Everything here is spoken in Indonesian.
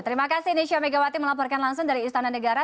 terima kasih nisha megawati melaporkan langsung dari istana negara